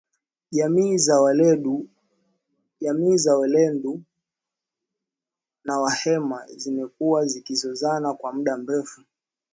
Jamii za walendu na wahema zimekuwa zikizozana kwa muda mrefu